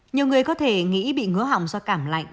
nhiều người có thể nghĩ bị ngứa hỏng do cảm lạnh